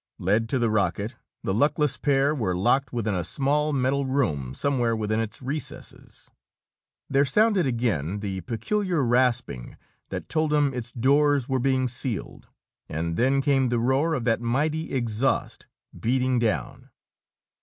Led to the rocket, the luckless pair were locked within a small metal room somewhere within its recesses. There sounded again the peculiar rasping that told them its doors were being sealed. And then came the roar of that mighty exhaust beating down.